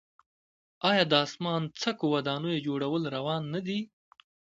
آیا د اسمان څکو ودانیو جوړول روان نه دي؟